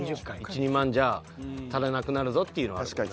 １２万じゃ足らなくなるぞっていうのはあるな。